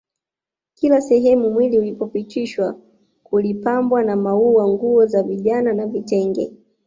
Kila sehemu mwili ulipopitishwa kulipambwa na maua nguo za vijana na vitenge